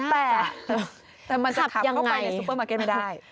แต่มันยังเข้าไปในซูเปอร์มาร์เก็ตไม่ได้